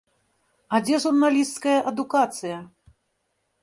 А дзе журналісцкая адукацыя?